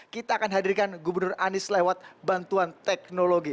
kita akan hadirkan gubernur anies lewat bantuan teknologi